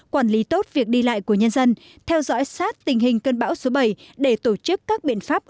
quản lý tốt việc đi lại của nhân dân theo dõi sát tình hình cơn bão số bảy để tổ chức các biện pháp